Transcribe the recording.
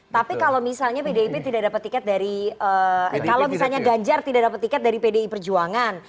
tapi kalau misalnya pdip tidak dapat tiket dari kalau misalnya ganjar tidak dapat tiket dari pdi perjuangan